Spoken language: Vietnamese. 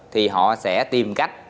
thì họ sẽ tìm cách